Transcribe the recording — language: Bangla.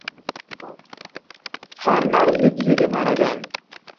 ফারনার লিপজিগে মারা যান।